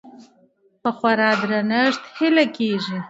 په خورا درنښت هيله کيږي